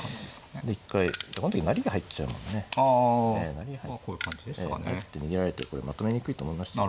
成り入って逃げられてこれまとめにくいと思いましたよ。